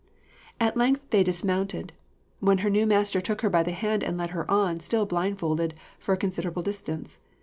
At length they dismounted, when her new master took her by the hand and led her on, still blindfolded, for a considerable distance.